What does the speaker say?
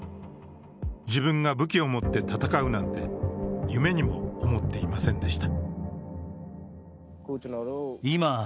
自分が武器を持って戦うなんて夢にも思っていませんでした。